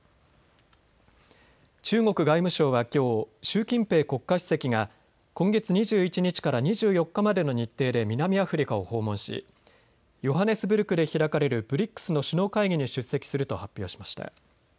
中国外務省はきょう習近平国家主席が今月２１日から２４日までの日程で南アフリカを訪問しヨハネスブルクで開かれるＢＲＩＣＳの首脳会議に出席すると発表しました。